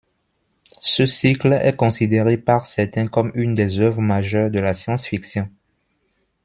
Ce cycle est considéré par certains comme une des œuvres majeures de la science-fiction.